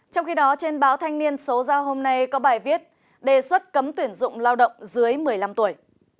trong khi đó trên báo thanh niên số ra hôm nay có bài viết đề xuất cấm tuyển dụng lao động dưới một mươi năm tuổi